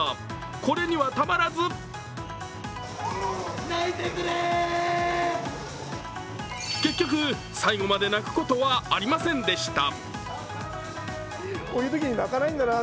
これにはたまらず結局、最後まで泣くことはありませんでした。